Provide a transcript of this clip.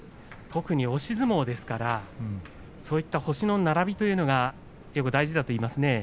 特に押し相撲ですからそういった星の並びというのがよく大事だといいますね。